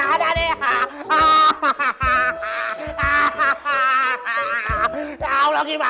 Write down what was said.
kita bagi empat ya